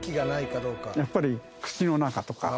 やっぱり口の中とか。